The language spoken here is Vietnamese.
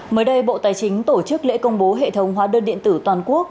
mới đây bộ tài chính tổ chức lễ công bố hệ thống hóa đơn điện tử toàn quốc